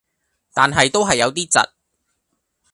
但係都係有啲窒